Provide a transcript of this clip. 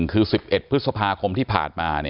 คือ๑๑พฤษภาคมที่ผ่านมา